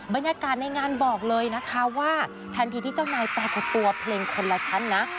บรรยากาศในงานบอกเลยนะคะว่าทันทีที่เจ้านายปรากฏตัวเพลงคนละชั้นนะ